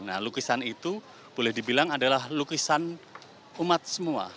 nah lukisan itu boleh dibilang adalah lukisan umat semua